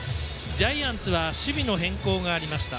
ジャイアンツは守備の変更がありました。